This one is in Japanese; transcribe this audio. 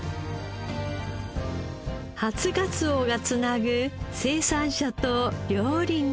初がつおが繋ぐ生産者と料理人。